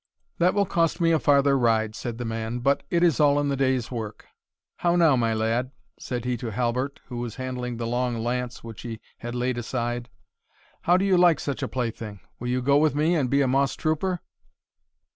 "That will cost me a farther ride," said the man, "but it is all in the day's work. How now, my lad," said he to Halbert, who was handling the long lance which he had laid aside; "how do you like such a plaything? will you go with me and be a moss trooper?"